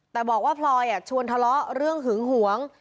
แต่บอกว่าพลอยชวนทะเลาะเรื่องหึงหวง